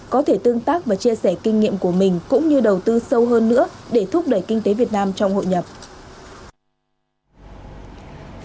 có thể tương tác và chia sẻ kinh nghiệm của mình cũng như đầu tư sâu hơn nữa để thúc đẩy kinh tế việt nam trong hội nhập